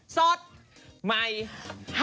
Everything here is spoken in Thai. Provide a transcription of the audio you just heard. สวัสดีค่ะ